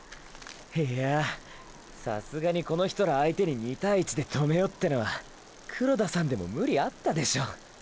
いやぁさすがにこの人ら相手に２対１で止めようってのは黒田さんでもムリあったでしょォ！